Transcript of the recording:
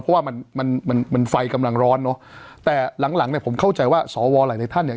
เพราะว่ามันมันไฟกำลังร้อนเนอะแต่หลังหลังเนี่ยผมเข้าใจว่าสวหลายในท่านเนี่ย